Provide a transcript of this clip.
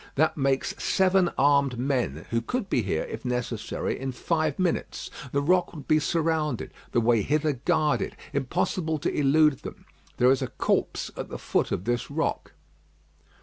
That makes seven armed men who could be here, if necessary, in five minutes. The rock would be surrounded; the way hither guarded. Impossible to elude them. There is a corpse at the foot of this rock."